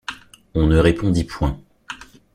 On ne répondit point.